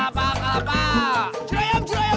nasi nasi nasi